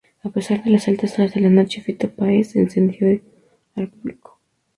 A pesar de las altas horas de la noche, Fito Páez encendió al público.